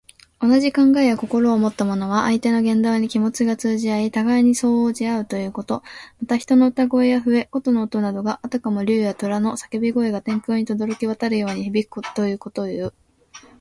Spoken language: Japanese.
同じ考えや心をもった者は、相手の言動に気持ちが通じ合い、互いに相応じ合うということ。また、人の歌声や笛・琴の音などが、あたかも竜やとらのさけび声が天空にとどろき渡るように響くことをいう。